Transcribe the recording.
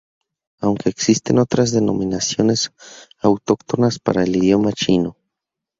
Aunque existen otras denominaciones autóctonas para el idioma chino.